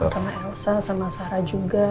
sama elsa sama sarah juga